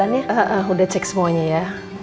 sudah alguningnya cek semuanya ya